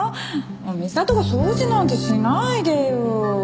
美里が掃除なんてしないでよ。